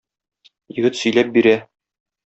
Егет сөйләп бирә.